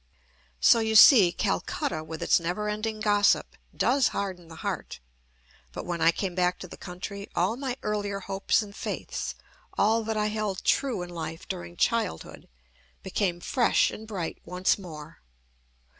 So you see Calcutta, with its never ending gossip, does harden the heart. But when I came back to the country all my earlier hopes and faiths, all that I held true in life during childhood, became fresh and bright once more.